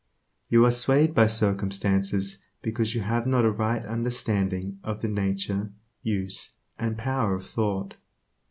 You are swayed by circumstances because you have not a right understanding of the nature, use, and power of thought.